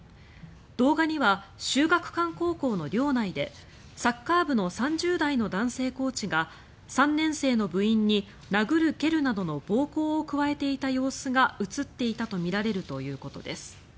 動画には秀岳館高校の寮内でサッカー部の３０代の男性コーチが３年生の部員に殴る蹴るなどの暴行を加える様子が映っていたとみられるということです。